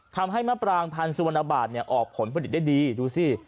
ทำให้มะปรางพันธ์สุวรรณบาทออกผลผลิตได้ดีดูสิ